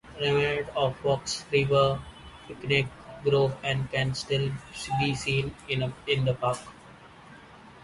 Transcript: Remnants of the Fox River Picnic Grove can still be seen in the park.